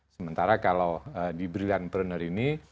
sementara kalau di brilliantpreneur ini